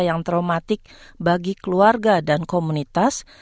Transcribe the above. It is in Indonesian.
yang traumatik bagi keluarga dan komunitas